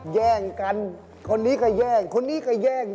แย่งกันคนนี้ก็แย่งคนนี้ก็แย่ง